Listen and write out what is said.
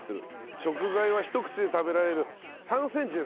食材はひと口で食べられる３センチですね。